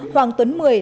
hoàng tuấn mười